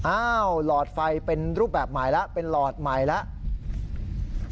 อ้าวหลอดไฟเป็นรูปแบบใหม่แล้วเป็นหลอดใหม่แล้ว